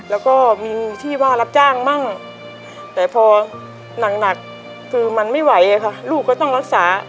แล้วก็มีที่ว่ารับจ้างมั่งแต่พอหนักคือมันไม่ไหวอะค่ะลูกก็ต้องรักษา